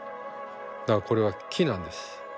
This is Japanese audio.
だからこれは木なんです。